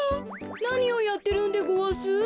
なにをやってるんでごわす？